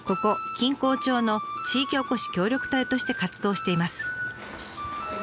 錦江町の地域おこし協力隊として活動しています。